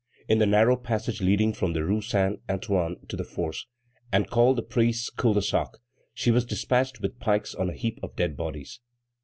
In the narrow passage leading from the rue Saint Antoine to the Force, and called the Priests' cul de sac, she was despatched with pikes on a heap of dead bodies.